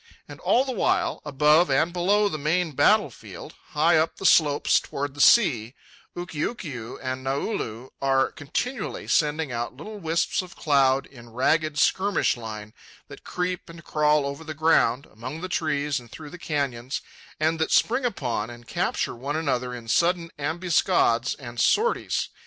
And all the while, above and below the main battle field, high up the slopes toward the sea, Ukiukiu and Naulu are continually sending out little wisps of cloud, in ragged skirmish line, that creep and crawl over the ground, among the trees and through the canyons, and that spring upon and capture one another in sudden ambuscades and sorties.